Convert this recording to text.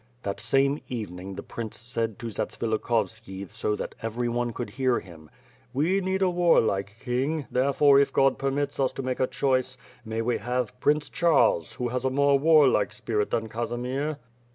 The same evening the prince said to Zatsvilikhovski so that every on e could hear him: "We need a warlike king, there fore if God permits us to make a choice, may we have Prince Charles, who has a more warlike spirit than Casimir."